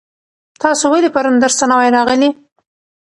تاسو ولې پرون درس ته نه وای راغلي؟